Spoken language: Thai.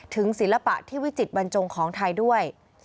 ศิลปะที่วิจิตบรรจงของไทยด้วย